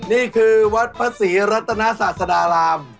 นี่คือวัดพระศรีรัตนาศาสดาราม